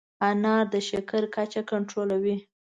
انار د شکر کچه کنټرولوي.